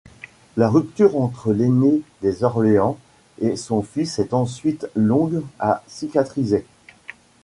La rupture entre l'aîné des Orléans et son fils est ensuite longue à cicatriser.